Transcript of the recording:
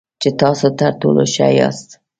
چې تاسو تر ټولو ښه یاست .